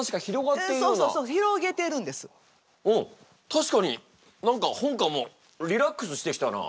確かに何か本官もリラックスしてきたなあ。